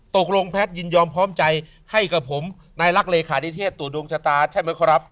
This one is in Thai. แพทย์ยินยอมพร้อมใจให้กับผมนายรักเลขานิเทศตัวดวงชะตาใช่ไหมครับ